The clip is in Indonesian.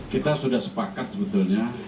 kita sudah sepakat sebetulnya